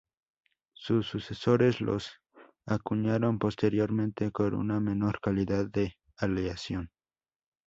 Sus sucesores los acuñaron posteriormente con una menor calidad de aleación.